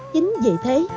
chính vì thế